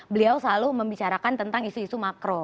beliau selalu membicarakan tentang isu isu makro